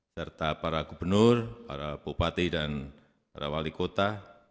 serta para gubernur para bupati dan para wali kota